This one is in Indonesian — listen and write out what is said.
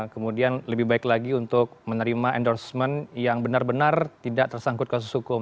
kemudian lebih baik lagi untuk menerima endorsement yang benar benar tidak tersangkut kasus hukum